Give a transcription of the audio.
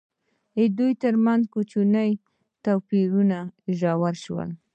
دوی ترمنځ کوچني توپیرونه ژور شول.